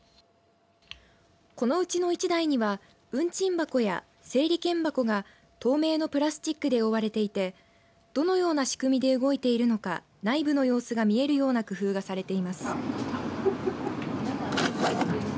このうちの１台には運賃箱や整理券箱が透明のプラスチックで覆われていてどのような仕組みで動いているのか内部の様子が見えるような工夫がされています。